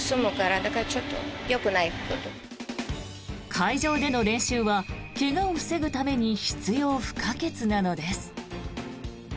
会場での練習は怪我を防ぐために必要不可欠なのです。